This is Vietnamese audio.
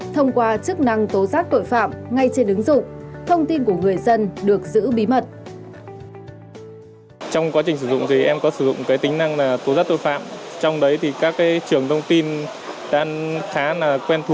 thông qua chức năng tố giác tội phạm ngay trên ứng dụng